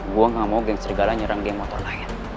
gue gak mau gang serigala nyerang geng motor lain